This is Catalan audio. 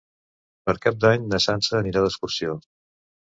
Per Cap d'Any na Sança anirà d'excursió.